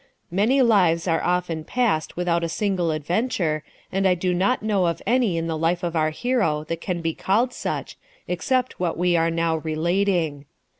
Many lives are often passed without a single adventure, and I do not know of any in the life of our hero that can be called such, except what we are now relating.